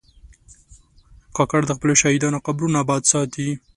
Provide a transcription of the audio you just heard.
کاکړ د خپلو شهیدانو قبرونه آباد ساتي.